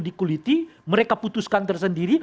dikuliti mereka putuskan tersendiri